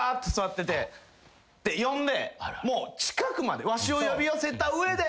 って呼んで近くまでわしを呼び寄せた上で。